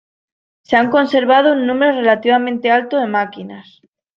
Se han conservado un número relativamente alto de máquinas.